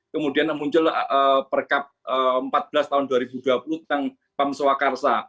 kemudian muncul perkab empat belas tahun dua ribu dua puluh tentang pam swakarsa